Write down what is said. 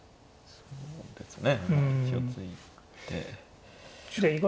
そうですね。